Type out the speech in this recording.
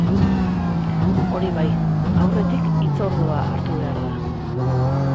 Hori bai, aurretik hitzordua hartu behar da.